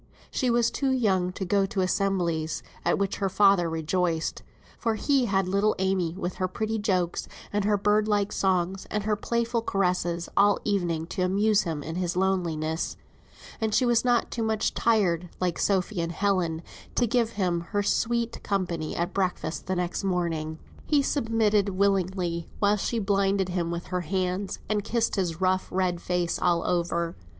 She was too young to go to assemblies, at which her father rejoiced, for he had little Amy with her pretty jokes, and her bird like songs, and her playful caresses all the evening to amuse him in his loneliness; and she was not too much tired, like Sophy and Helen, to give him her sweet company at breakfast the next morning. He submitted willingly while she blinded him with her hands, and kissed his rough red face all over.